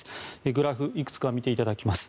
グラフをいくつか見ていただきます。